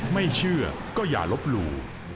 ไม่เชื่อก็อย่าลบหลู่